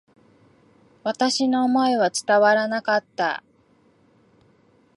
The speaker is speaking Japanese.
私の思いは伝わらなかった。